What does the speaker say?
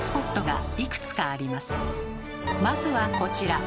まずはこちら。